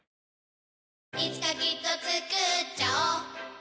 いつかきっとつくっちゃおう